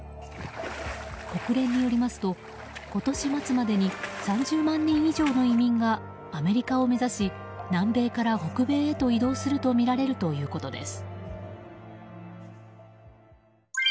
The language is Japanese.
国連によりますと、今年末までに３０万人以上の移民がアメリカを目指し南米から北米へと移動するとみられるということです。